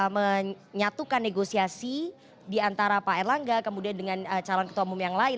menyatukan negosiasi di antara pak erlangga kemudian dengan calon ketua umum yang lain